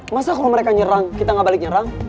masa kalo mereka nyerang kita gak balik nyerang